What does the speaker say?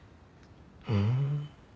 ふん。